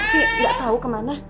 kiki nggak tahu ke mana